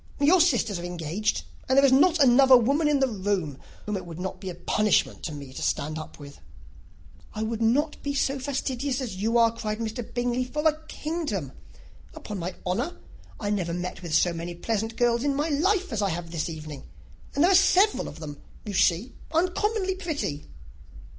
Your sisters are engaged, and there is not another woman in the room whom it would not be a punishment to me to stand up with." "I would not be so fastidious as you are," cried Bingley, "for a kingdom! Upon my honour, I never met with so many pleasant girls in my life as I have this evening; and there are several of them, you see, uncommonly pretty."